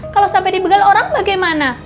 kalau sampai digerbek orang bagaimana